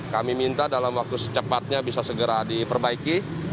kami minta dalam waktu secepatnya bisa segera diperbaiki